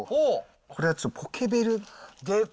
これはちょっと、ポケベルで出た！